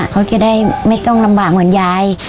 เขาจะได้ไม่ต้องลำบากเหมือนยาย